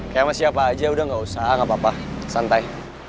kayak sama siapa aja udah gak usah gak apa apa santai